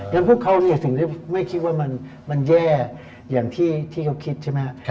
พวกเขาถึงได้ไม่คิดว่ามันแย่อย่างที่เขาคิดใช่ไหมครับ